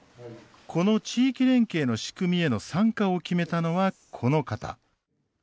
この地域連携の仕組みへの参加を決めたのは、この方。